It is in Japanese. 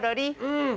うん。